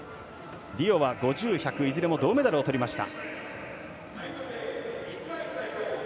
リオは５０、１００いずれも銅メダルをとりました。